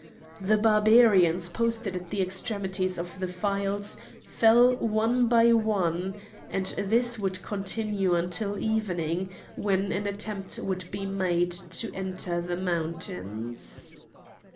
The Barbarians posted at the extremities of the files fell one by one; and this would continue until evening, when an attempt would be made to enter the mountains.